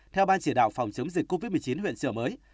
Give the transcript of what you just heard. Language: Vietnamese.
theo ban chỉ đạo phòng chống dịch covid một mươi chín huyện trợ mới